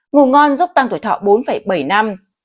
ngủ ngon giúp tăng tuổi thọ bốn bảy năm